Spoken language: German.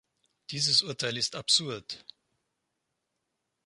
Dieses Urteil ist absurd.